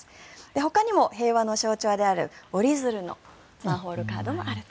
ほかにも平和の象徴である折り鶴のマンホールカードもあると。